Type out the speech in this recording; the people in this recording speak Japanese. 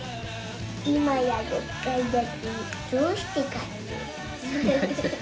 「いまや６かいだてどうしてかね」